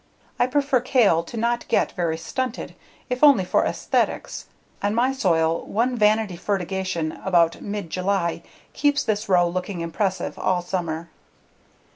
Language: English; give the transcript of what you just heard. I prefer kale to not get very stunted, if only for aesthetics: on my soil, one vanity fertigation about mid July keeps this row looking impressive all summer.